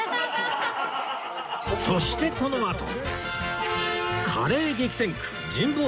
そしてこのあと